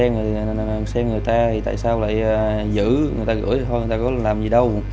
nói chung là xe người ta thì tại sao lại giữ người ta gửi thì thôi người ta có làm gì đâu